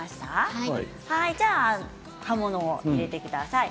葉物を入れてください。